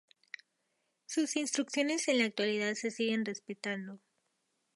Sus instrucciones en la actualidad se siguen respetando.